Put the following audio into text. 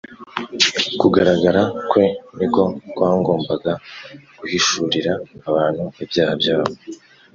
Kugaragara kwe niko kwagombaga guhishurira abantu ibyaha byabo.